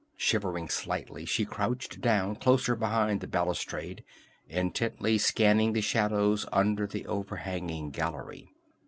Shivering slightly, she crouched down closer behind the balustrade, intently scanning the shadows under the overhanging gallery.